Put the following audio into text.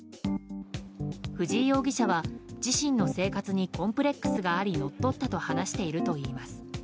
藤井容疑者は、自身の生活にコンプレックスがあり乗っ取ったと話しているといいます。